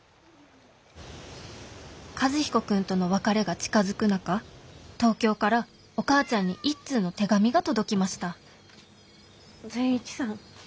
和彦君との別れが近づく中東京からお母ちゃんに一通の手紙が届きました善一さん。